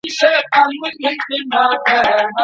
ايا د ديت عوض ازاد انسان ټاکل حرام دي؟